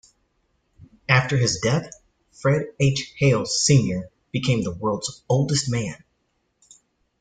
After his death, Fred H. Hale, Senior became the world's oldest man.